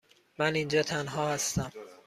من اینجا تنها هستم.